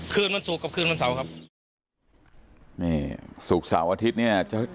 คืนวันศุกร์กับคืนวันเสาร์ครับนี่ศุกร์เสาร์อาทิตย์เนี่ยจะ